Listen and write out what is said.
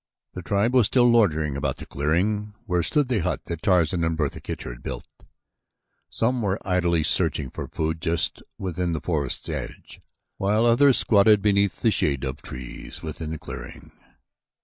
The tribe was still loitering about the clearing where stood the hut that Tarzan and Bertha Kircher had built. Some were idly searching for food just within the forest's edge, while others squatted beneath the shade of trees within the clearing.